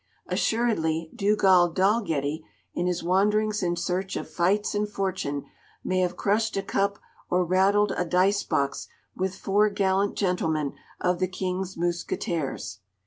Assuredly Dugald Dalgetty in his wanderings in search of fights and fortune may have crushed a cup or rattled a dicebox with four gallant gentlemen of the King's Mousquetaires.